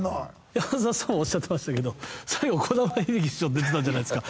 山里さんもおっしゃってましたけど最後こだま・ひびき師匠出てたじゃないですか。